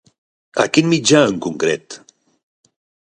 A quin mitjà en concret?